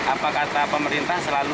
apa kata pemerintah selalu